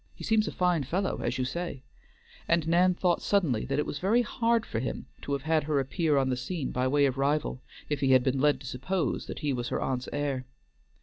He seems a fine fellow, as you say," and Nan thought suddenly that it was very hard for him to have had her appear on the scene by way of rival, if he had been led to suppose that he was her aunt's heir.